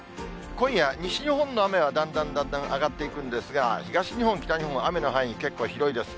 今夜、西日本の雨はだんだんだんだんあがっていくんですが、東日本、北日本は雨の範囲、結構広いです。